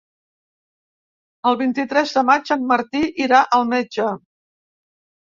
El vint-i-tres de maig en Martí irà al metge.